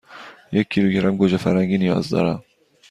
یک کیلوگرم گوجه فرنگی نیاز دارم.